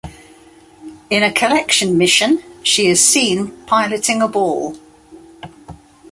In a collection mission she is seen piloting a ball.